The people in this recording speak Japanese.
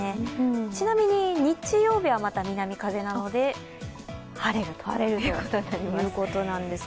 ちなみに、日曜日はまた南風なので晴れるということになります。